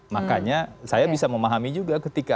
makanya saya bisa memahami juga ketika